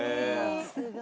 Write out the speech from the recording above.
すごい！